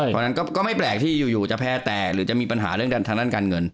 เพราะนั้นก็ไม่แปลกที่จะแพ้แตกหรือจะมีปัญหาทางด้านการเงิน